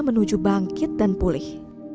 menuju bangkit dan pulih